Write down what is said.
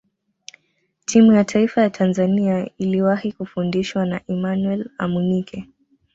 timu ya taifa ya tanzania iliwahi kufundishwa na emmanuel amunike